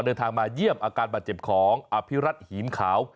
เดินทางมาเยี่ยมอาการบาดเจ็บของอภิรัตหีมขาว